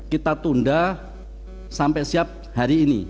kita tunda sampai siap hari ini